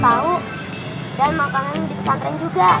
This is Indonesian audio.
dan makanan di pesantren juga